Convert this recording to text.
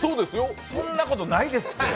そんなことないですって。